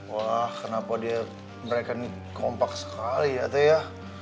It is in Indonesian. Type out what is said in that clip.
wah kenapa dia mereka kompak sekali ya teh ya